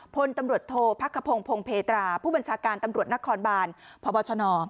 พลตำรวจโทษพักขพงพงเพตราผู้บัญชาการตำรวจนครบานพบชน